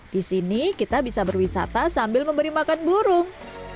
disini kita bisa berwisata sambil memberi makan burung